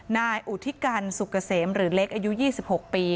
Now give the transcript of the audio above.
นายอุทิกัณฑ์สุกเกษมหรือเล็กอายุยี่สิบหกปี